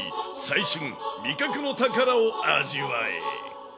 最旬、味覚の宝を味わえ！